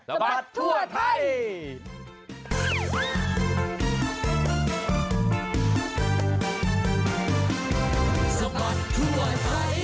บัดทั่วไทย